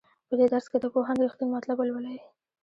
په دې درس کې د پوهاند رښتین مطلب ولولئ.